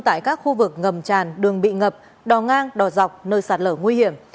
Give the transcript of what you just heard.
tại các khu vực ngầm tràn đường bị ngập đò ngang đò dọc nơi sạt lở nguy hiểm